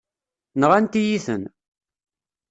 Nɣant-iyi-ten.